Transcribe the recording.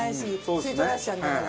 吸い取らせちゃうんだから。